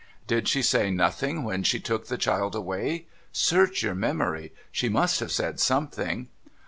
' Did she say nothing when she took the child away ? Search your memory. She must have said something.'